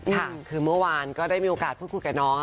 ค่ะคือเมื่อวานก็ได้มีโอกาสพูดคุยกับน้อง